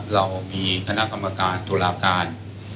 เรามีคณะกรรมการตุลาการ